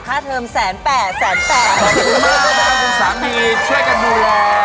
ขอบคุณมากค่ะคุณสามีช่วยกันด้วย